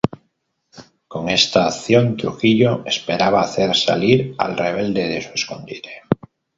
Con está acción, Trujillo esperaba hacer salir al rebelde de su escondite.